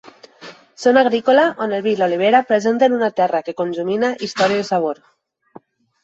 Zona agrícola on el vi i l'olivera presenten una terra que conjumina història i sabor.